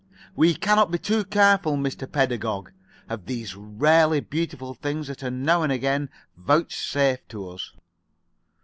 We cannot be too careful, Mr. Pedagog, of these rarely beautiful things that are now and again vouchsafed to us."